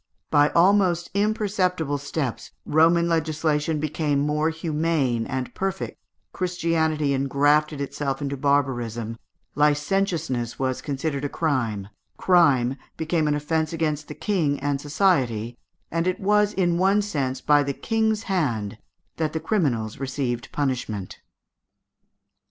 By almost imperceptible steps Roman legislation became more humane and perfect, Christianity engrafted itself into barbarism, licentiousness was considered a crime, crime became an offence against the King and society, and it was in one sense by the King's hand that the criminals received punishment.